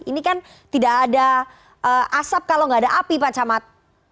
ini kan tidak ada asap kalau nggak ada api pak camat